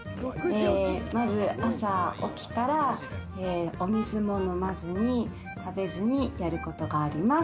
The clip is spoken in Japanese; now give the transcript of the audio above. まず朝起きたらお水も飲まずに食べずにやることがあります。